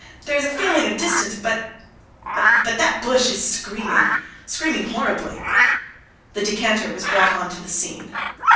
"There's a feeling of distance, but ... but that bush is screaming ... screaming horribly!" The decanter was brought on to the scene.